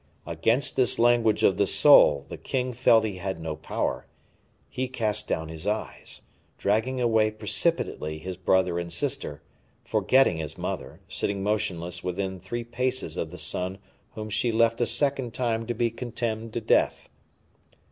Against this language of the soul the king felt he had no power; he cast down his eyes, dragging away precipitately his brother and sister, forgetting his mother, sitting motionless within three paces of the son whom she left a second time to be condemned to death.